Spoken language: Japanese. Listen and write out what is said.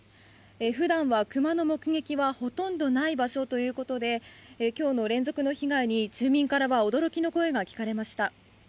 普段はクマの目撃はほとんどない場所ということで今日の連続の被害に住民からは驚きの声が聞かれました。